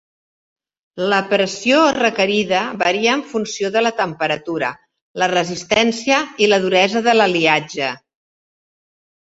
La pressió requerida varia en funció de la temperatura, la resistència i la duresa de l'aliatge.